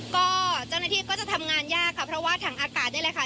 ก็เจ้าหน้าที่ก็จะทำงานยากค่ะเพราะว่าถังอากาศนี่แหละค่ะ